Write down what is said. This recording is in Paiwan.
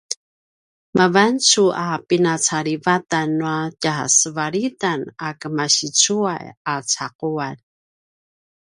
mavancu a pinacalivatan nua tjasevalitan a kemasicuay a caquan